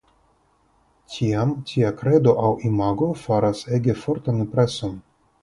Tiam tia kredo aŭ imago faras ege fortan impreson.